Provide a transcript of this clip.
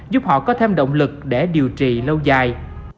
giúp họ có thêm động lực để điều trị lâu dài